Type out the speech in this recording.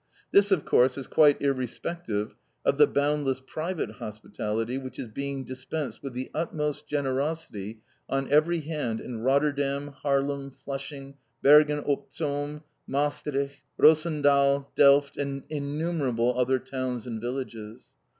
This, of course, is quite irrespective of the boundless private hospitality which is being dispensed with the utmost generosity on every hand in Rotterdam, Haarlem, Flushing, Bergen op Zoom, Maasstricht, Rossendal, Delft, and innumerable other towns and villages.